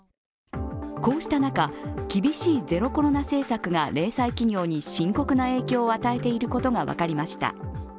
こうした中、厳しいゼロコロナ政策が零細企業に深刻な影響を与えていることが分かりました。